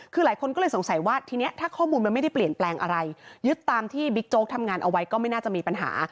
คือหลายคนก็เลยสงสัยว่าทีนี้ถ้าข้อมูลมันไม่ได้เปลี่ยนแปลงอะไรยึดตามที่บิ๊กโจ๊กทำงานเอาไว้ก็ไม่น่าจะมีปัญหา